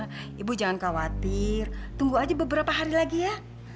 oh iya ibu ibu jangan khawatir tunggu aja beberapa hari lagi ya